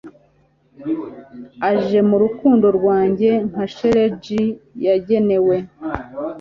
aje mu rukundo rwanjye nka shelegi yagenewe